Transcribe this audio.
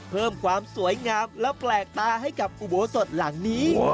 เพิ่มความสวยงามและแปลกตาให้กับอุโบสถหลังนี้